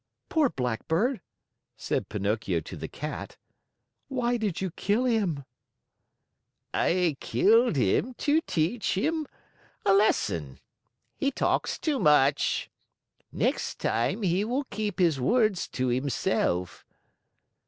"Poor Blackbird!" said Pinocchio to the Cat. "Why did you kill him?" "I killed him to teach him a lesson. He talks too much. Next time he will keep his words to himself."